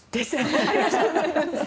ありがとうございます。